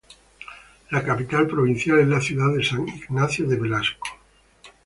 La capital provincial es la ciudad de San Ignacio de Velasco.